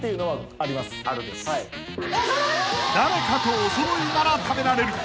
［誰かとおそろいなら食べられる。